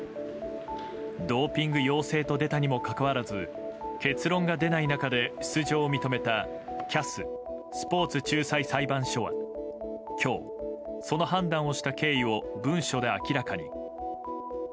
ドーピング陽性と出たにもかかわらず結論が出ない中で出場を認めたＣＡＳ・スポーツ仲裁裁判所は今日、その判断をした経緯を文書で明らかに。